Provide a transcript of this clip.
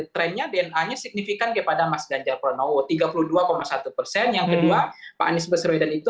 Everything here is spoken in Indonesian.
trendnya dna nya signifikan kepada mas ganjar pranowo tiga puluh dua satu persen yang kedua pak anies baswedan itu